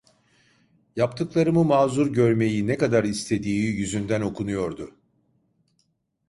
Yaptıklarımı mazur görmeyi ne kadar istediği yüzünden okunuyordu.